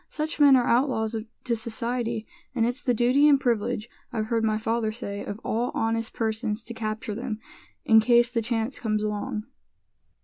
"Such men are outlaws to society, and it's the duty and privilege, I've heard my father say, of all honest persons to capture them, in case the chance comes along."